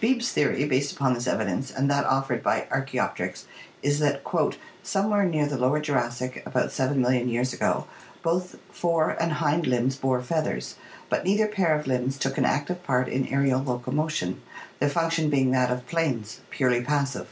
Beebe's theory based upon this evidence and that offered by Archaopteryx is that "somewhere near the lower Jurassic, about seven million years ago, both fore and hind limbs bore feathers; but neither pair of limbs took an active part in aerial locomotion, their function being that of planes, purely passive."